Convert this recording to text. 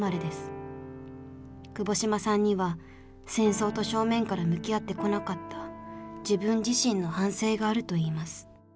窪島さんには戦争と正面から向き合ってこなかった自分自身の反省があるといいます。